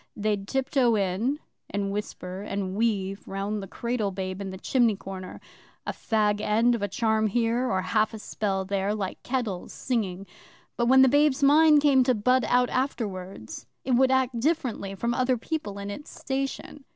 They'd tiptoe in and whisper and weave round the cradle babe in the chimney corner a fag end of a charm here, or half a spell there like kettles singing; but when the babe's mind came to bud out afterwards, it would act differently from other people in its station.